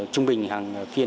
trung bình hàng phiền